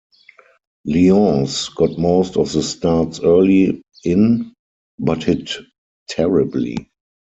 Lyons got most of the starts early in but hit terribly.